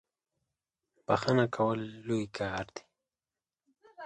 بخښنه کول لوی کار دی.